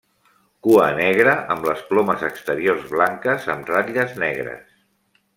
Cua negra amb les plomes exteriors blanques amb ratlles negres.